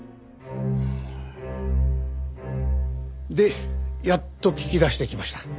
でやっと聞き出してきました。